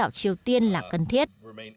bản đảo triều tiên là cần thiết